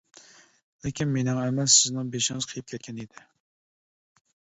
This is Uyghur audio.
لېكىن مېنىڭ ئەمەس سىزنىڭ بېشىڭىز قېيىپ كەتكەن ئىدى.